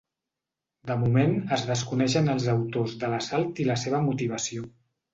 De moment es desconeixen els autors de l’assalt i la seva motivació.